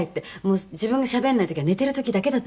「自分がしゃべらない時は寝てる時だけだって言うんですよ」